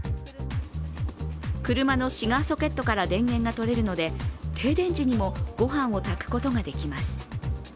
車のシガーソケットから電源が取れるので停電時にも御飯を炊くことができます。